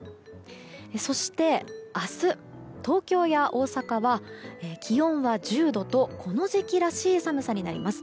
そして明日、東京や大阪は気温は１０度とこの時期らしい寒さになります。